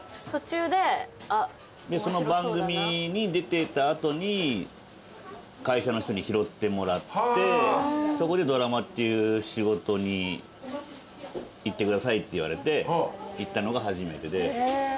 その番組に出てた後に会社の人に拾ってもらってそこで「ドラマっていう仕事に行ってください」って言われて行ったのが初めてで。